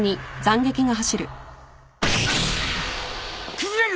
崩れる！